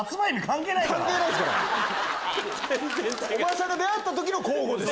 おばさんが出合った時の交互です。